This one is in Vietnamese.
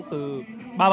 từ ba bản